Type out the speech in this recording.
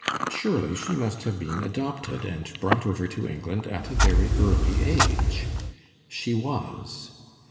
Surely she must have been adopted and brought over to England at a very early age. She was.